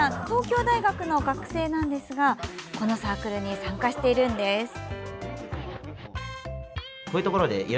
東京大学の学生ですがこのサークルに参加しているんです。